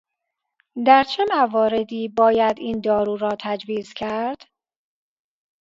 در چه مواردی باید این دارو را تجویز کرد؟